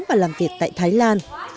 và làm việc tại thái lan